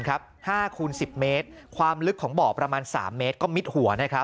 คูณ๑๐เมตรความลึกของบ่อประมาณ๓เมตรก็มิดหัว